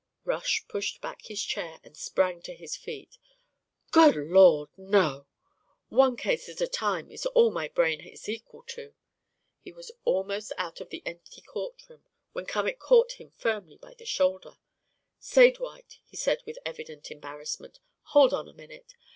Rush pushed back his chair and sprang to his feet. "Good Lord, no. One case at a time is all my brain is equal to." He was almost out of the empty courtroom when Cummack caught him firmly by the shoulder. "Say, Dwight," he said with evident embarrassment, "hold on a minute.